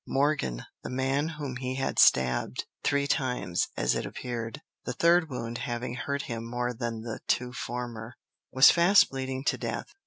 Morgan, the man whom he had stabbed, three times, as it appeared, "the third wound having hurt him more than the two former," was fast bleeding to death.